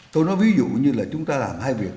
tôi nói ví dụ như là chúng ta làm hai việc